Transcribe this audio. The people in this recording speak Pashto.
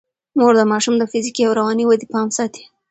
مور د ماشومانو د فزیکي او رواني ودې پام ساتي.